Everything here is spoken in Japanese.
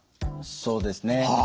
そうですね。